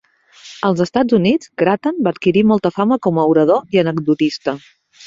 Als Estats Units, Grattan va adquirir molta fama com a orador i anecdotista.